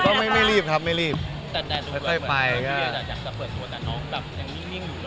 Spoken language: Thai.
พี่อยากจะเปิดตัวแต่น้องแบบอย่างนิ่งอยู่หรือ